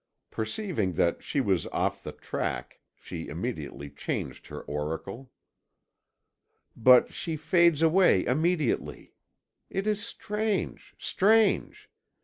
Perceiving that she was off the track, she immediately changed her oracle: "But she fades away immediately. It is strange, strange!